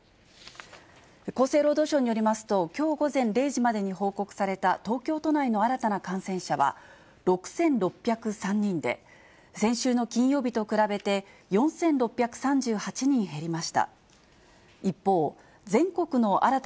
厚生労働省によりますと、きょう午前０時までに報告された東京都内の新たな感染者は６６０３人で、先週の金曜日と比べて４６３８人減りました。